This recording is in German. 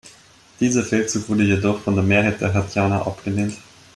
Dieser Feldzug wurde jedoch von der Mehrheit der Haitianer abgelehnt.